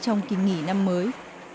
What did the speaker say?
trong kỳ nghỉ năm mới